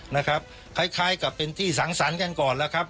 นะครับคล้ายคล้ายกับเป็นที่สังสรรค์กันก่อนแล้วครับ